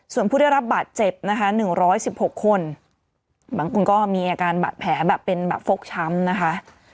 ส่วนผู้ได้รับบัตรเจ็บ๑๑๖คนบางคนก็มีอาการแผลแบบเป็นฟกช้ำนะคะ